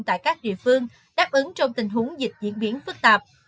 tại các địa phương đáp ứng trong tình huống dịch diễn biến phức tạp